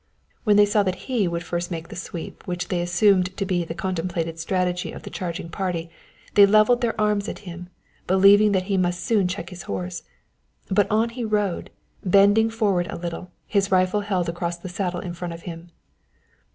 When they saw that he would first make the sweep which they assumed to be the contemplated strategy of the charging party, they leveled their arms at him, believing that he must soon check his horse. But on he rode, bending forward a little, his rifle held across the saddle in front of him.